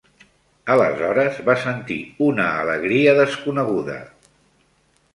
Aleshores va sentir una alegria desconeguda